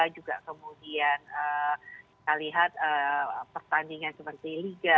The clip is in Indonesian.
juga kemudian saya lihat pertandingan seperti